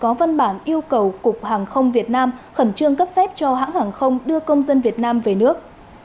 có văn bản yêu cầu cục hàng không việt nam khẩn trương cấp phép cho hãng hàng không đưa công dân việt nam về nước